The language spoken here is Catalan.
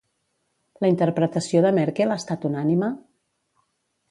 La interpretació de Merkel ha estat unànime?